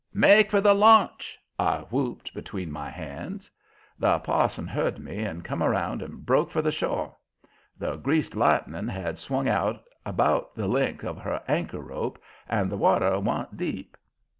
"Make for the launch!" I whooped, between my hands. The parson heard me and come about and broke for the shore. The Greased Lightning had swung out about the length of her anchor rope, and the water wa'n't deep.